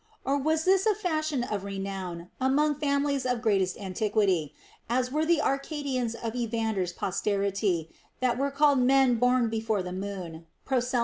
Or was this a fashion of renown among families of greatest antiquity, as were the Arcadians of Evander's posterity, that were called men born before the moon (προσίληνηι)?